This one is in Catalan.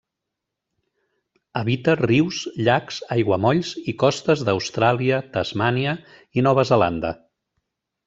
Habita rius, llacs, aiguamolls i costes d'Austràlia, Tasmània i Nova Zelanda.